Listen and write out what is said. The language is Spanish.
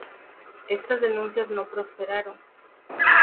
Estas denuncias no prosperaron.